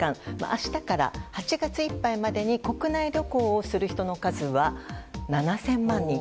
明日から８月いっぱいまでに国内旅行をする人の数は７０００万人。